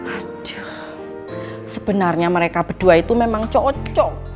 aja sebenarnya mereka berdua itu memang cocok